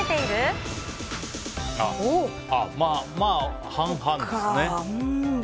まあ、半々ですね。